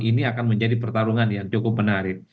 ini akan menjadi pertarungan yang cukup menarik